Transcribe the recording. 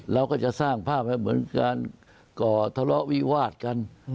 เราก็จะสร้างภาพให้เหมือนการก่อทะเลาะวิวาดกัน